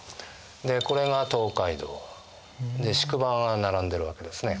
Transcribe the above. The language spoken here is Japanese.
でこれが東海道。で宿場が並んでるわけですね。